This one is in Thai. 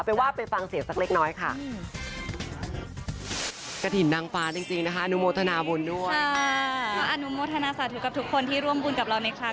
โอ้โหเอ็นดูนะคะนางฟ้าทำบุญด้วยฝากละครด้วยนี่นะคะ